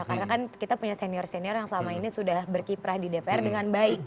karena kan kita punya senior senior yang selama ini sudah berkiprah di dpr dengan baik